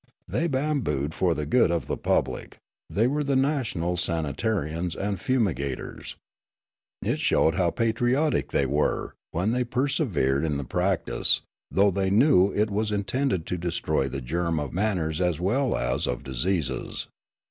They bambooed for the good of the public ; they were the national sanitarians and fumiga tors. It showed how patriotic they were, when they persevered in the practice, though they knew that it tended to destroy the germ of manners as well as of diseases.